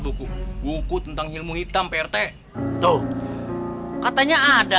buku buku tentang ilmu hitam prt tuh katanya ada